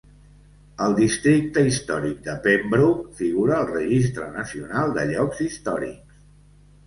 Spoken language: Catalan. El districte històric de Pembroke figura al Registre Nacional de Llocs Històrics.